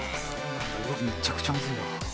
うわめちゃくちゃむずいわ。